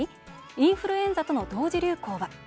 インフルエンザとの同時流行は？